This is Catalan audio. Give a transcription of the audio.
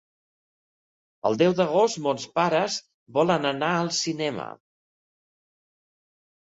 El deu d'agost mons pares volen anar al cinema.